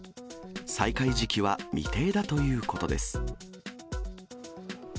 再開時期は未定だということです。